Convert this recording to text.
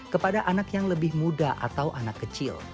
kepada anak yang lebih muda atau anak kecil